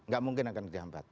gak mungkin akan dihambat